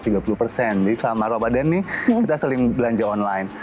jadi selama ramadan nih kita seling belanja online